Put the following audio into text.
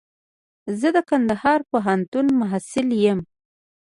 زه د کندهار پوهنتون محصل يم.